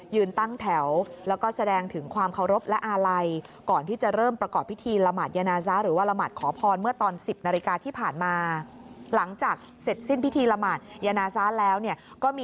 ยืนตั้งแถวแล้วก็แสดงถึงความเคารพและอาลัย